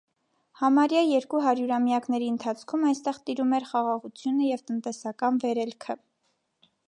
Համարյա երկու հարյուրամյակների ընթացքում այստեղ տիրում էր խաղաղությունը և տնտեսական վերելքը։